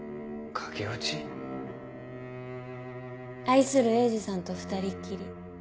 愛する鋭治さんと２人っきり。